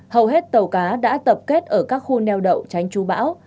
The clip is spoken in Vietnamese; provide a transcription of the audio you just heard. hầu hết tàu cá đã tập kết ở các khu neo đậu tránh chú bão